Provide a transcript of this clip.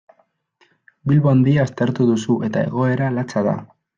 Bilbo Handia aztertu duzu eta egoera latza da.